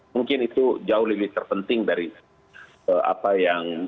mungkin itu jauh lebih terpenting dari apa yang